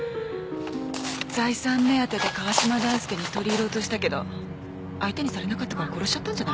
財産目当てで川嶋大介に取り入ろうとしたけど相手にされなかったから殺しちゃったんじゃないの？